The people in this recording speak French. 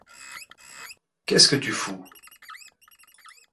Qu’est-ce que tu fous ?